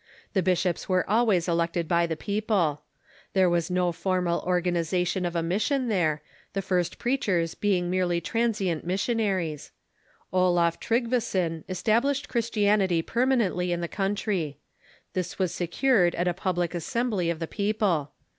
The bishops were always elected by the people. There Iceland and ^^^^^^^ formal organization of a mission there, the Greenland _^ first j^reachers being merely transient missionaries, Olaf Trygvesen established Christianity permanently in the country. This was secured at a public assembly of the peo ple.